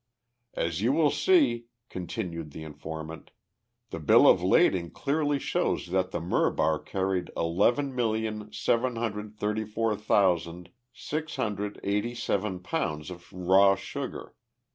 "As you will note," continued the informant, "the bill of lading clearly shows that the Murbar carried eleven million seven hundred thirty four thousand six hundred eighty seven pounds of raw sugar.